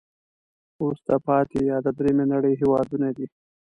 وروسته پاتې یا د دریمې نړی هېوادونه دي.